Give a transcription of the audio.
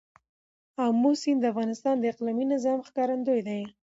آمو سیند د افغانستان د اقلیمي نظام ښکارندوی دی.